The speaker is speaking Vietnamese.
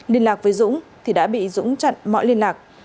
liên lạc với dũng thì đã bị dũng chặn mọi liên lạc